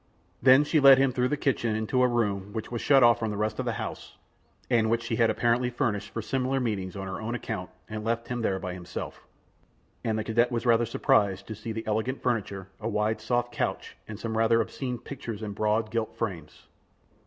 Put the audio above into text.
Then she lead him through the kitchen into a room which was shut off from the rest of the house, and which she had apparently furnished for similar meetings, on her own account, and left him there by himself, and the cadet was rather surprised to see the elegant furniture, a wide, soft couch, and some rather obscene pictures in broad, gilt frames.